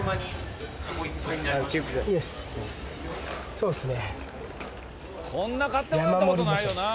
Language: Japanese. そうっすね。